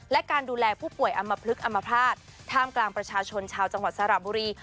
และการดูแลผู้ป่วยอำมพลึกอมภาษณ์ท่ามกลางประชาชนชาวจังหวัดสระบุรี